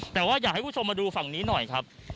แต่ว่าอยากให้คุณผู้ชมมาดูฝั่งนี้หน่อยครับ